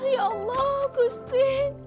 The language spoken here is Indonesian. ya allah gusti